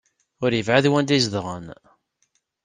Ur yebɛid wanda ay zedɣen.